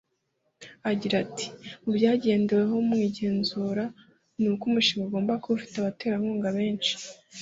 Agira ati “Mu byagenderwaho mu igenzura ni uko umushinga ugomba kuba ufite abaterankunga benshi